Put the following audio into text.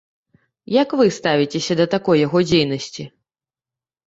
Як вы ставіцеся да такой яго дзейнасці?